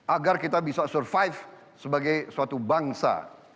agar kita bisa survive sebagai suatu bangsa